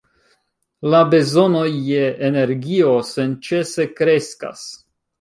La bezonoj je energio senĉese kreskas.